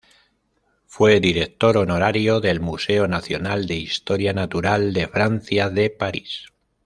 Fue director honorario del Museo Nacional de Historia Natural de Francia, de París.